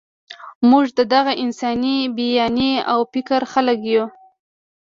موږ د دغه انساني بیانیې او فکر خلک یو.